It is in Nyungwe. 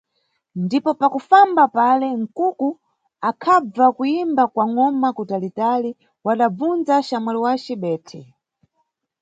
Ndipo pakufamba pale, Nkhuku akhabva kuyimba kwa ngʼoma kutalitali, wadabvundza xamwali wace bethe.